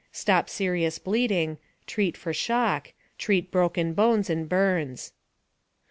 * Stop serious bleeding. * Treat for shock. * Treat broken bones and burns.